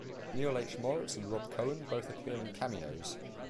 Neal H. Moritz and Rob Cohen both appear in cameos.